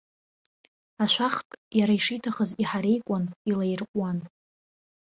Ашәахтә иара ишиҭахыз иҳареикуан, илаирҟәуан.